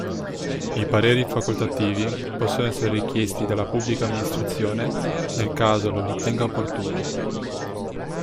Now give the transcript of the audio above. I "pareri facoltativi" possono essere richiesti dalla pubblica amministrazione, nel caso lo ritenga opportuno.